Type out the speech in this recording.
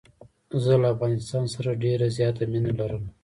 زه له افغانستان سره ډېره زیاته مینه لرم.